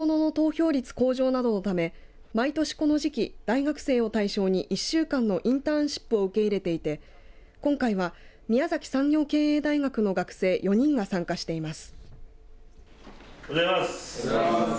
県の議会事務局では３年前から若者の投票率向上などのため毎年この時期、大学生を対象に１週間のインターンシップを受け入れていて今回は宮崎産業経営大学の学生４人が参加しています。